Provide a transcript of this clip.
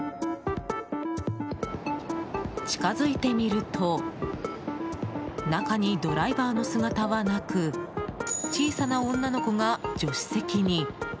近づいてみると中にドライバーの姿はなく小さな女の子が助手席に。